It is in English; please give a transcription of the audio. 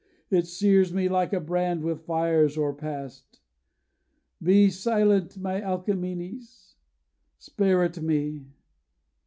It sears me like a brand with fires o'erpast: Be silent, my Alcamenes! spare it me.